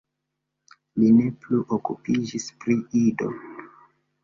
Li ne plu okupiĝis pri Ido.